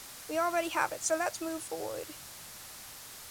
We already have it; so let's move forward.